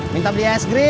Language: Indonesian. minta beri esok ngapain